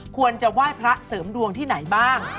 ควรจะไหว้พระเสริมดวงที่ไหนบ้าง